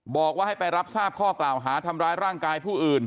บอกว่าให้ไปรับทราบข้อกล่าวหาทำร้ายร่างกายผู้อื่น